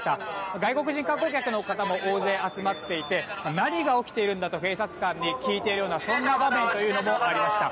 外国人観光客の方も大勢集まっていて何が起きているんだと警察官に聞いているそんな場面というのもありました。